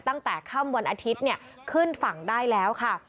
ตั้งแต่ค่ำวันอาทิตย์เนี่ยขึ้นฝั่งได้แล้วค่ะ